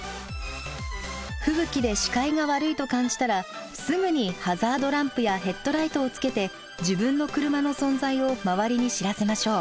吹雪で視界が悪いと感じたらすぐにハザードランプやヘッドライトをつけて自分の車の存在を周りに知らせましょう。